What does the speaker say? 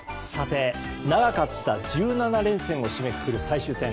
長かった１７連戦を締めくくる最終戦。